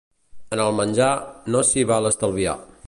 En el menjar, no s'hi val estalviar.